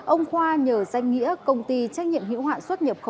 ông khoa nhờ danh nghĩa công ty trách nhiệm hữu hạn xuất nhập khẩu